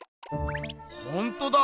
ほんとだ！